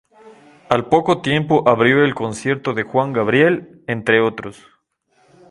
Al poco tiempo, abrió el concierto de Juan Gabriel, entre otros.